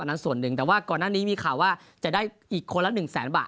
นั้นส่วนหนึ่งแต่ว่าก่อนหน้านี้มีข่าวว่าจะได้อีกคนละ๑แสนบาท